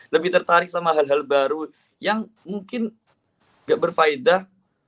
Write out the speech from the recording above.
lebih tertarik sama hal hal baru yang mungkin gak berfaedah